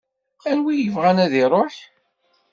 Anwa ibɣan ad ruḥ?.